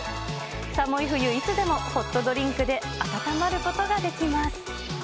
寒い冬、いつでもホットドリンクで温まることができます。